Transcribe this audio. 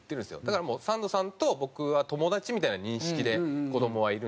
だからもうサンドさんと僕は友達みたいな認識で子供はいるんですけど。